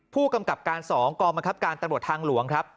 ผู้กำกับการ๒กองบังคับการตำรวจทางหลวงครับ